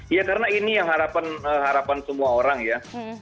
ya karena ini yang harapan semua orang ya